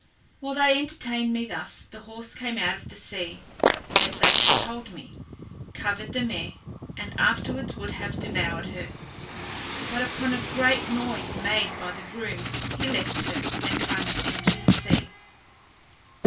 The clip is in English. While they entertained me thus, the horse came out of the sea, as they had told me, covered the mare, and afterwards would have devoured her; but upon a great noise made by the grooms, he left her, and plunged into the sea.